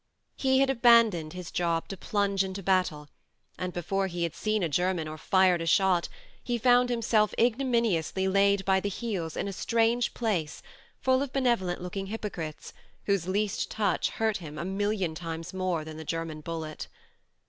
He had abandoned his job to plunge into battle, and before he had seen a German or fired a shot he found him self ignominiously laid by the heels in a strange place full of benevolent looking hypocrites whose least touch hurt him a million times more than the German bullet.